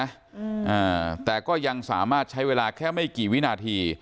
อ่าแต่ก็ยังสามารถใช้เวลาแค่ไม่กี่วินาที